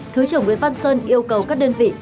thứ trưởng nguyễn văn sơn yêu cầu các đơn vị